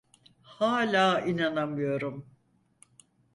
Hala inanamıyorum.